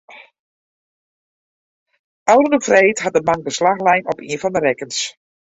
Ofrûne freed hat de bank beslach lein op ien fan de rekkens.